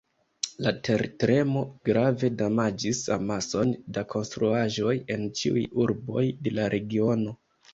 La tertremo grave damaĝis amason da konstruaĵoj en ĉiuj urboj de la regiono.